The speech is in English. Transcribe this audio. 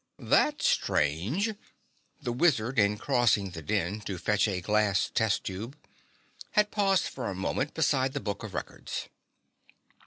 "That's strange." The wizard in crossing the den to fetch a glass test tube had paused for a moment beside the book of records.